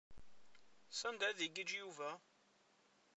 Sanda ad igiǧǧ Yuba?